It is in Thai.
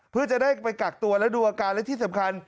เพื่อจะได้ไปกักตัวและดูอาการและที่สำคัญ